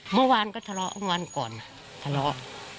เมื่อวานก็ทะเลาะวันก่อนทะเลาะ